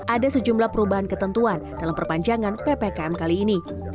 ada sejumlah perubahan ketentuan dalam perpanjangan ppkm kali ini